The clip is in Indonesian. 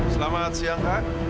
selamat siang kak